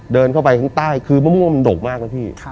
เดินเข้าไปข้างใต้คือมะม่วงมันดกมากนะพี่